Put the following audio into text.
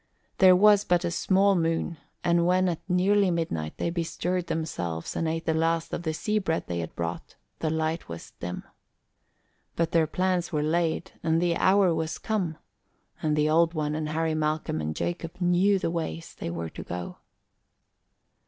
There was but a small moon, and when at nearly midnight they bestirred themselves and ate the last of the sea bread they had brought, the light was dim. But their plans were laid and the hour was come and the Old One and Harry Malcolm and Jacob knew the ways they were to go.